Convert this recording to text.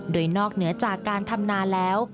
โดยนอกเหนือจากการทำนาแล้ว